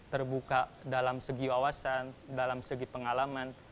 terbuka dalam segi wawasan dalam segi pengalaman